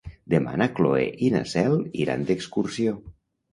Demà na Cloè i na Cel iran d'excursió.